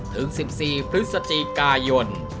ถึง๑๔พฤศจิกายน